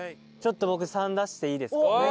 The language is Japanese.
ちょっと僕「３」出していいですか？